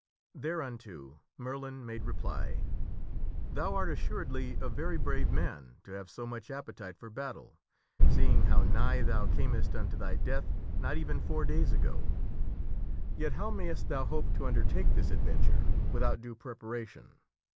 Thereunto Merlin made reply, " Thou art, assuredly, a very brave man to have so much appetite for battle, seeing how nigh thou earnest unto thy death not even four days ago. Yet how mayst thou hope to under take this adventure without due preparation?